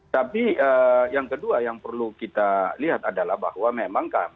tapi yang kedua yang perlu kita lihat adalah bahwa memang